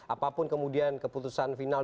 apapun kemudian keputusan final